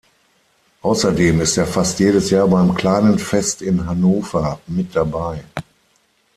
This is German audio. Außerdem ist er fast jedes Jahr beim "Kleinen Fest in Hannover" mit dabei.